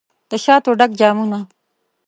دشاتو ډک جامونه